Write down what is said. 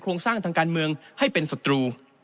สร้างทางการเมืองให้เป็นศัตรู